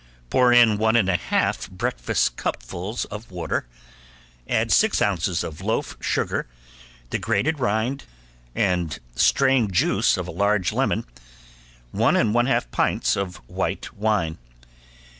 Pour in one and a half breakfast cupfuls of water, add six ounces of loaf sugar, the grated rind and strained juice of a large lemon, one and one half pints of white wine.